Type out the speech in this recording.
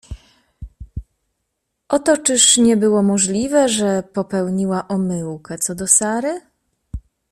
Oto czyż nie było możliwe, że popełniła omyłkę co do Sary?